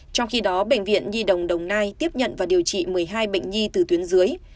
trong khi đó bệnh viện nhi đồng đồng nai tiếp nhận và điều trị một mươi hai bệnh nhi từ tuyến dưới